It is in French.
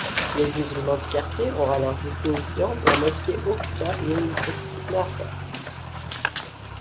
Les musulmans du quartier ont à leur disposition la Mosquée Okba Ibn Nafaa.